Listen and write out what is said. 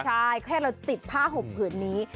ใช่แค่เราติดผ้าห่มผืนนี้